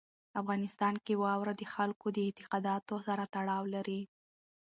افغانستان کې واوره د خلکو د اعتقاداتو سره تړاو لري.